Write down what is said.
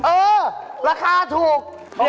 เออราคาถูก